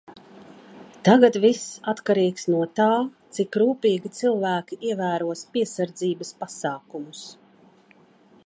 Tagad viss atkarīgs no tā, cik rūpīgi cilvēki ievēros piesardzības pasākumus.